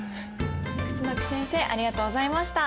楠木先生ありがとうございました。